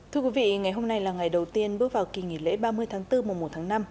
thưa quý vị ngày hôm nay là ngày đầu tiên bước vào kỳ nghỉ lễ ba mươi tháng bốn mùa một tháng năm